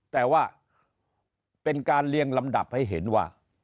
แต่ว่าเป็นการเรียงลำดับให้เห็นว่า